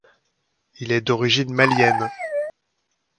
Il est d'origine malienne.